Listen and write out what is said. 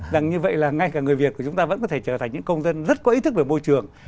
rằng như vậy là ngay cả người việt của chúng ta vẫn có thể trở thành những công dân rất có ý thức về môi trường